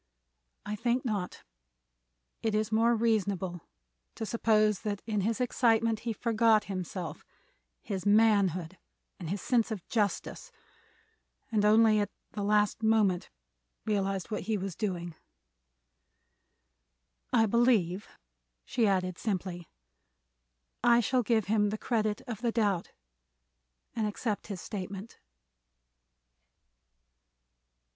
I think not. It is more reasonable to suppose that in his excitement he forgot himself—his manhood and his sense of justice—and only at the last moment realized what he was doing. I believe," she added, simply, "I shall give him the credit of the doubt and accept his statement."